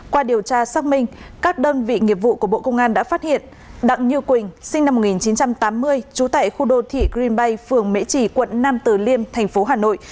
qua điều tra xác minh các đơn vị nghiệp vụ của bộ công an đã phát hiện đặng như quỳnh sinh năm một nghìn chín trăm tám mươi trú tại khu đô thị greenbay phường mễ trì quận nam từ liêm thành phố hà nội